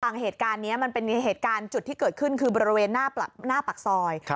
เหตุการณ์นี้มันเป็นเหตุการณ์จุดที่เกิดขึ้นคือบริเวณหน้าปากซอย